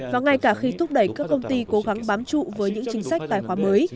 và ngay cả khi thúc đẩy các công ty cố gắng bám trụ với những chính sách tài khoá mới